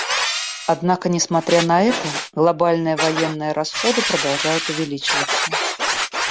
Однако несмотря на это, глобальные военные расходы продолжают увеличиваться.